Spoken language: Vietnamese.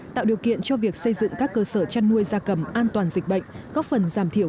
tạo điều kiện cho việc xây dựng các cơ sở chăn nuôi da cầm an toàn dịch bệnh góp phần giảm thiểu